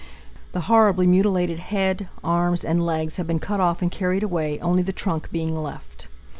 The horribly mutilated head, arms, and legs had been cut off and carried away, only the trunk being left.